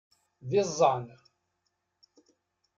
D iẓẓan!